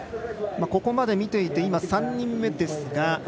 ここまで見ていて今、３人目ですが。